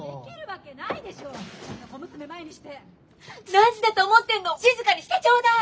何時だと思ってんの静かにしてちょうだい！